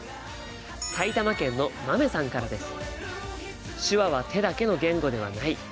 埼玉県のまめさんからです。